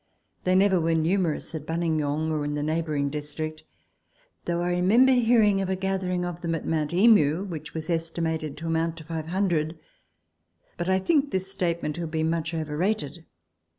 They never were numerous at Buninyong or in the neighbouring district ; though I remember hearing of a gathering of them at Mount Emu, which was estimated to amount to 500 ; but I think this statement to have been much over rated.